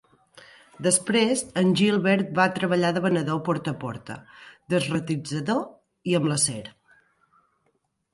Després, en Gilbert va treballar de venedor porta a porta, desratitzador i amb l'acer.